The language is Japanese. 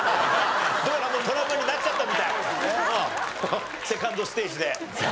どうやらもうトラウマになっちゃったみたいセカンドステージで。